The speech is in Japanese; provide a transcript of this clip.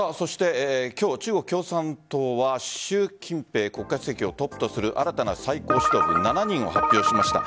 今日、中国共産党は習近平国家主席をトップとする新たな最高指導部７人を発表しました。